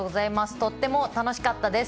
とっても楽しかったです。